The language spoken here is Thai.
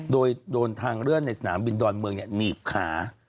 โดยโดนทางเลื่อนในสนามบินดอนเมืองหนีบขา